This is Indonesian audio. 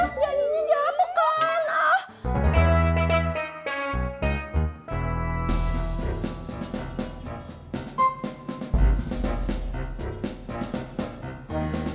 gak pengen jatuhkan